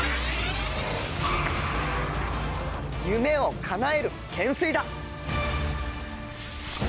夢をかなえる懸垂だ！